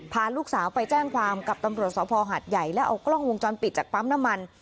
พาลูกสาวไปแจ้งความกับตำรวจสภหัดใหญ่แล้วเอากล้องวงจรปิดจากปั๊มน้ำมัน